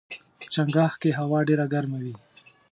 چنګاښ کې هوا ډېره ګرمه وي.